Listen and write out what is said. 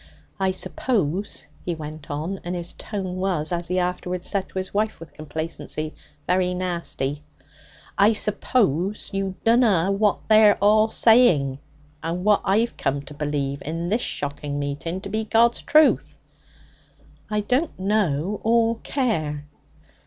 'I suppose,' he went on, and his tone was, as he afterwards said to his wife with complacency, 'very nasty' 'I suppose you dunno what they're all saying, and what I've come to believe, in this shocking meeting, to be God's truth?' 'I don't know or care.'